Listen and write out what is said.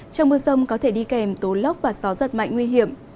trong mưa rông có thể đi kèm tố lóc và gió rất mạnh nguy hiểm